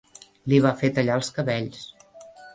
Li va fer tallar els cabells